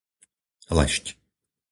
Lešť